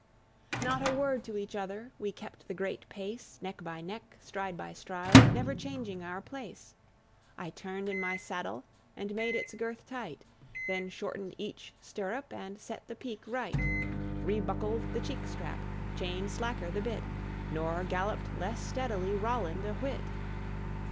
Not a word to each other; we kept the great pace Neck by neck, stride by stride, never changing our place; I turned in my saddle and made its girth tight, Then shortened each stirrup, and set the pique right, Rebuckled the cheek strap, chained slacker the bit, Nor galloped less steadily Roland a whit.